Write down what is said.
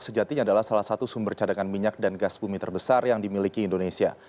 sejatinya adalah salah satu sumber cadangan minyak dan gas bumi terbesar yang dimiliki indonesia